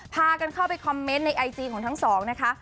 พากันเข้าไปคอมเมนต์ในไอจีของทั้งสองนะคะ